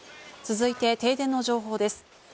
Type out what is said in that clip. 続いて停電の情報です。